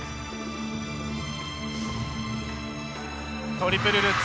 トリプルルッツ。